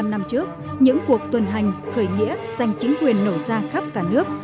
bảy mươi năm năm trước những cuộc tuần hành khởi nghĩa giành chính quyền nổ ra khắp cả nước